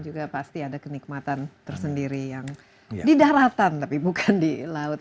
jadi ada kenikmatan tersendiri yang di daratan tapi bukan di laut